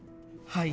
はい。